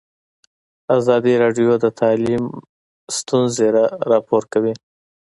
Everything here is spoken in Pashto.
ازادي راډیو د تعلیم ستونزې راپور کړي.